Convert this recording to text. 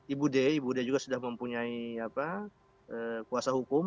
ibu d ibu d juga sudah mempunyai kuasa hukum